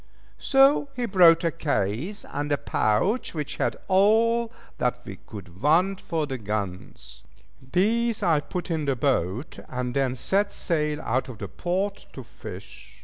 So he brought a case and a pouch which held all that we could want for the guns. These I put in the boat, and then set sail out of the port to fish.